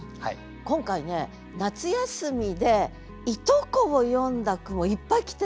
今回ね「夏休」でいとこを詠んだ句もいっぱい来て。